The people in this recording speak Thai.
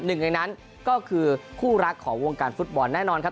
หนึ่งในนั้นก็คือคู่รักของวงการฟุตบอลแน่นอนครับ